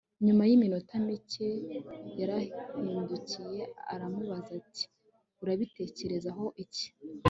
nyuma yiminota mike, yarahindukiye arambaza ati urabitekerezaho iki